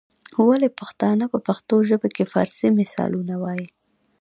ولي پښتانه په پښتو ژبه کي فارسي مثالونه وايي؟